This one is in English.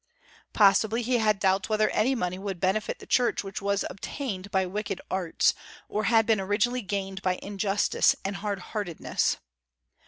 Possibly he had doubts whether any money would benefit the Church which was obtained by wicked arts, or had been originally gained by injustice and hard heartedness.